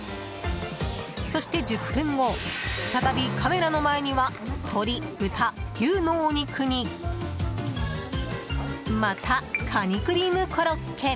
そして、１０分後再びカメラの前には鶏、豚、牛のお肉にまたカニクリームコロッケ。